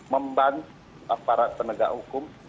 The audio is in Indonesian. membantu aparat penegak hukum